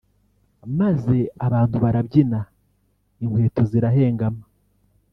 maze abantu barabyina inkweto zirahengama